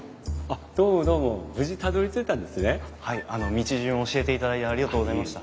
道順を教えていただいてありがとうございました。